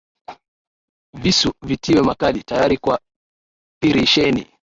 Visu vitiwe makali, tayari kwa pirisheni,